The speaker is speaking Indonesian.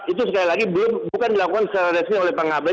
itu sekali lagi bukan dilakukan secara resmi oleh pengabdi